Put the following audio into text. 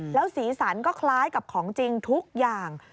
แล้วสีสันก็คล้ายกับของจริงทุกอย่าง